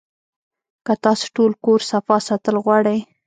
کۀ تاسو ټول کور صفا ساتل غواړئ